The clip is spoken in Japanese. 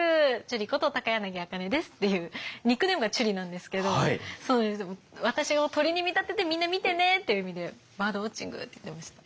ニックネームが「ちゅり」なんですけど私を鳥に見立ててみんな見てねっていう意味でバードウォッチングって言ってましたね。